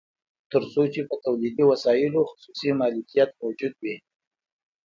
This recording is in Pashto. تر څو چې په تولیدي وسایلو خصوصي مالکیت موجود وي